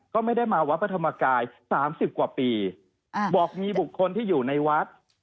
ก็ไม่ได้มาวัดพระธรรมกาย๓๐กว่าปีบอกมีบุคคลที่อยู่ในวัด